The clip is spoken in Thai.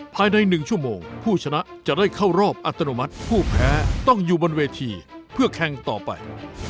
ภายใน๑ชั่วโมงผู้ชนะจะได้เข้ารอบอัตโนมัติผู้แพ้ต้องอยู่บนเวทีเพื่อแข่งต่อไป